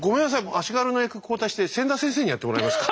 足軽の役交代して千田先生にやってもらえますか？